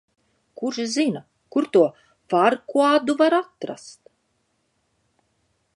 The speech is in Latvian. Kurš zina, kur to Farkuadu var atrast?